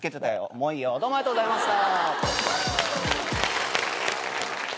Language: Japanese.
もういいよどうもありがとうございました。